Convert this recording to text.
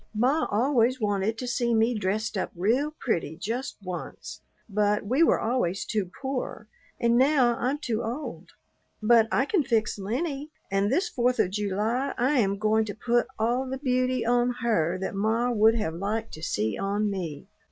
Ma always wanted to see me dressed up real pretty just once, but we were always too poor, and now I'm too old. But I can fix Lennie, and this Fourth of July I am going to put all the beauty on her that ma would have liked to see on me.